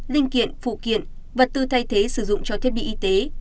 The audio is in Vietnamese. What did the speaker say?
linh kiện phụ kiện vật tư thay thế sử dụng cho thiết bị y tế